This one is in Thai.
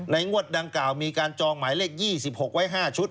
งวดดังกล่าวมีการจองหมายเลข๒๖ไว้๕ชุด